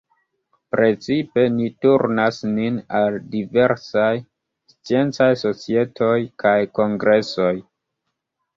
Precipe ni turnas nin al diversaj sciencaj societoj kaj kongresoj.